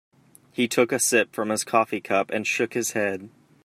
He took a sip from his coffee cup and shook his head.